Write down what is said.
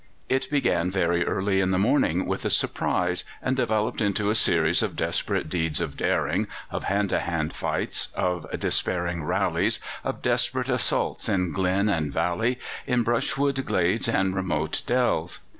It began very early in the morning with a surprise, and developed into a series of desperate deeds of daring, of hand to hand fights, of despairing rallies, of desperate assaults in glen and valley, in brushwood glades and remote dells.